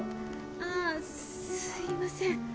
ああすいません